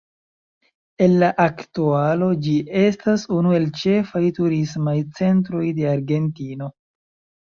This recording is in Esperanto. En la aktualo ĝi estas unu el ĉefaj turismaj centroj de Argentino.